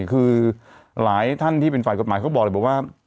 คือหลายท่านที่เป็นฝ่ายกฎหมายเขาบอกเลยบอกว่า